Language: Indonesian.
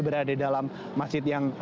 berada dalam masjid yang